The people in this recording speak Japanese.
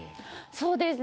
そうですね。